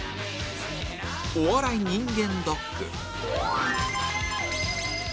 お笑い人間ドック